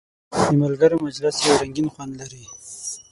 د ملګرو مجلس یو رنګین خوند لري.